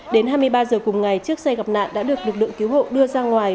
đến hai mươi ba giờ cùng ngày chiếc xe gặp nạn đã được lực lượng cứu hộ đưa ra ngoài